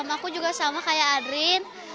aku juga sama kayak adrin